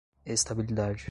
estabilidade